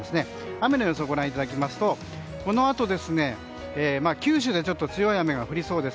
雨の予想をご覧いただきますとこのあと、九州でちょっと強い雨が降りそうです。